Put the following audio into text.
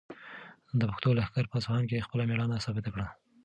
د پښتنو لښکر په اصفهان کې خپله مېړانه ثابته کړه.